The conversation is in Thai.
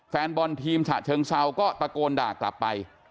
แฟนบอลทีมฉะเชิงเซาก็ตะโกนด่ากลับไป